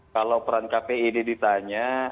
kalau peran kpi ini ditanya